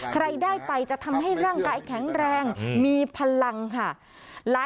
ใครได้ไปจะทำให้ร่างกายแข็งแรงมีพลังค่ะ